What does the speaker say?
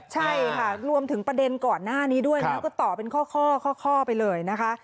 ใช่ค่ะรวมถึงประเด็นก่อนหน้านี้ด้วยนะก็ต่อเป็นข้อไปเลยนะคะ